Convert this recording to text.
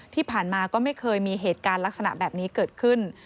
ที่ผ่านมาก็ไม่เคยมีเหตุการณ์ลักษณะแบบนี้เกิดขึ้น